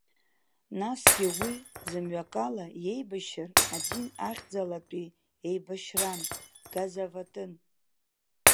Насгьы уи, зымҩакала иеибашьр адин ахьӡалатәи еибашьран, газаватын.